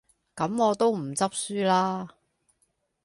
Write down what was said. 咁我都唔執輸喇